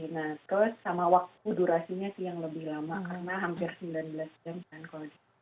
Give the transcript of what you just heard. nah terus sama waktu durasinya sih yang lebih lama karena hampir sembilan belas jam kan kalau